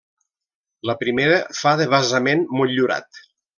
La primera fa de basament motllurat.